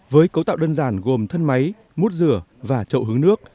với cấu tạo đơn giản gồm thân máy mút rửa và chậu hướng nước